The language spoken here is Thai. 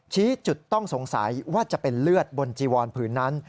ชี้จุดต้องสงสัยว่าจะเป็นเลือดบนจีวอนผืนนั้น